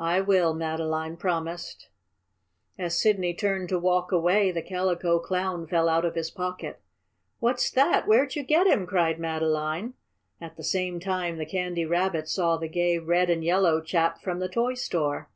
"I will," Madeline promised. As Sidney turned to walk away, the Calico Clown fell out of his pocket. "What's that? Where'd you get him?" cried Madeline. At the same time the Candy Rabbit saw the gay red and yellow chap from the toy store.